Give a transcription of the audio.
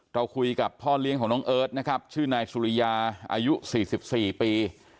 เราคุยกับพ่อเลี้ยงของน้องเอิร์ทนะครับชื่อนายสุริยาอายุ๔๔ปี